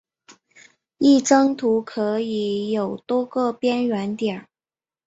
一张图可以有多个边缘点。